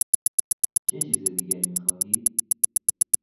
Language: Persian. چه چیز دیگری میخواهید؟